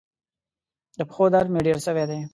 د پښو درد مي ډیر سوی دی.